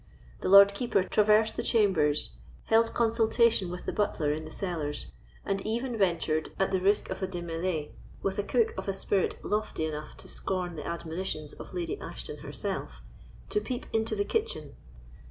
The Lord Keeper traversed the chambers, held consultation with the butler in the cellars, and even ventured, at the risk of a démêlé with a cook of a spirit lofty enough to scorn the admonitions of Lady Ashton herself, to peep into the kitchen.